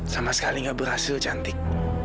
sama sekali nggak berhasil cantik